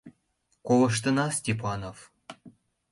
— Колыштына, Степанов.